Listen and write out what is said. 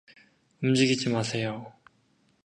움직이지 마세요.